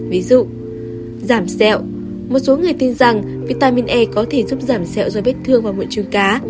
ví dụ giảm sẹo một số người tin rằng vitamin e có thể giúp giảm sẹo do vết thương và mệ trứng cá